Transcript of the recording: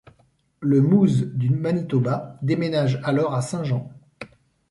Le Moose du Manitoba déménage alors à Saint-Jean.